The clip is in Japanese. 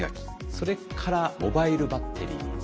それからモバイルバッテリー。